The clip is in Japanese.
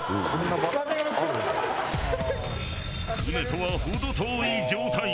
舟とは程遠い状態。